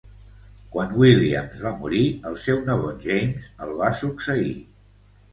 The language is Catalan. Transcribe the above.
Quan William va morir, el seu nebot James el va succeir.